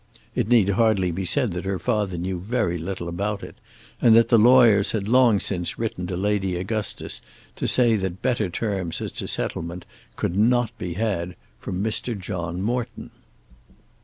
It need hardly be said that her father knew very little about it, and that the lawyers had long since written to Lady Augustus to say that better terms as to settlement could not be had from Mr. John Morton.